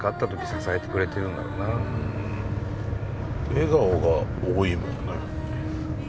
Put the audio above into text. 笑顔が多いもんね。